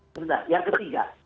sebentar yang ketiga